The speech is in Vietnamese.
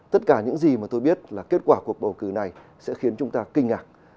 tất cả những gì mà tôi biết là kết quả cuộc bầu cử này sẽ khiến chúng ta kinh ngạc